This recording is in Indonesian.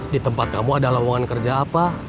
di tempat kamu ada lawangan kerja apa